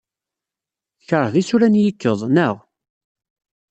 Tkeṛhed isura n yikkeḍ, naɣ?